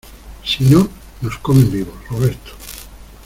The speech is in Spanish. si no, nos comen vivos. Roberto .